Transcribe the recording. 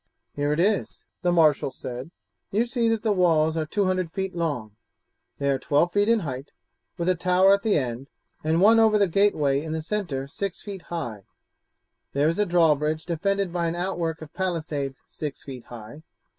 "Here it is," the marshal said. "You see that the walls are 200 feet long, they are 12 feet in height, with a tower at the end and one over the gateway in the centre six feet high. There is a drawbridge defended by an outwork of palisades six feet high.